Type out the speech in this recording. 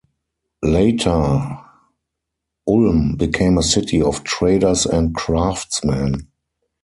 Later, Ulm became a city of traders and craftsmen.